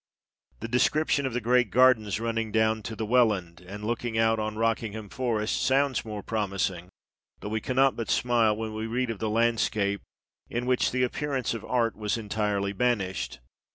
The description of the great gardens running down to the Welland, and looking out on Rockingham Forest, sounds more promising, though we cannot but smile when we read of the landscape " in which the appearance of art was entirely banished."